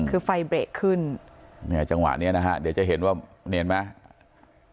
คือไฟเบรกขึ้นเนี่ยจังหวะเนี้ยนะฮะเดี๋ยวจะเห็นว่านี่เห็นไหม